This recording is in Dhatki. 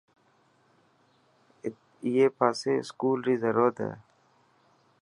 اڻي پاسي اسڪول ري ضرورت هي.